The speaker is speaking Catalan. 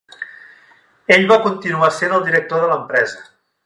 Ell va continuar sent el director de l'empresa.